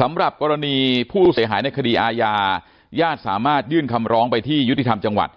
สำหรับกรณีผู้เสียหายในคดีอาญาญาติสามารถยื่นคำร้องไปที่ยุติธรรมจังหวัด